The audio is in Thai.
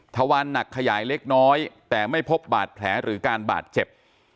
ทวานหนักขยายเล็กน้อยแต่ไม่พบบาดแผลหรือการบาดเจ็บ